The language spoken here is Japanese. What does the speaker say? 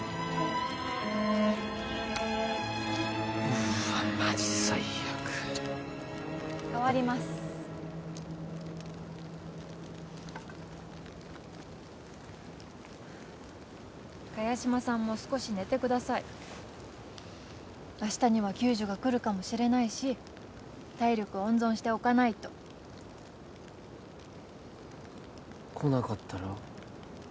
うーわマジ最悪かわります萱島さんも少し寝てください明日には救助が来るかもしれないし体力温存しておかないと来なかったら？